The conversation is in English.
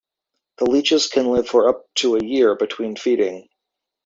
These leeches can live for up to a year between feeding.